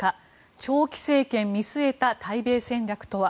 長期政権見据えた対米戦略とは。